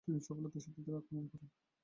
তিনি সফলতার সাথে ইতালি আক্রমণ করেন।